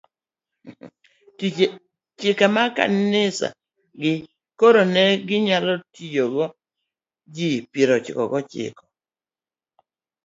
chike mag kanisagi, koro ne ginyalo ting'o ji piero ochiko gochiko